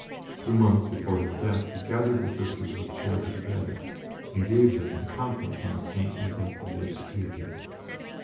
Two months before his death he gathered the Sisters of Charity together and gave them a conference on the saintly death of their Superior.